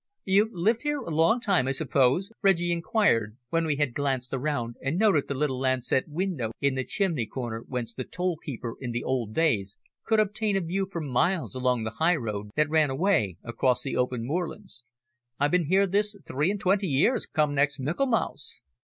"You've lived here a long time, I suppose?" Reggie inquired, when we had glanced around and noted the little lancet window in the chimney corner whence the toll keeper in the old days could obtain a view for miles along the highroad that ran away across the open moorlands. "I've been here this three and twenty years come next Michaelmas."